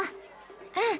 うん。